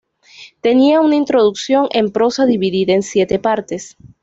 Tiene una introducción en prosa dividida en siete partes.